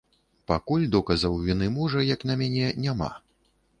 Пакуль доказаў віны мужа, як на мяне, няма.